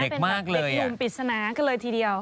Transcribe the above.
เป็นเด็กหนุ่มปริศนากันเลยทีเดียว